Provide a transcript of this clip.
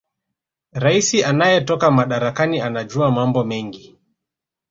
raisi anayetoka madarakani anajua mambo mengi